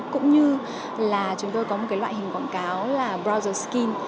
cũng như là chúng tôi có một cái loại hình quảng cáo là browser skin